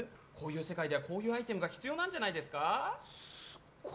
こういう世界ではこういうアイテムが必要なんじゃないですか？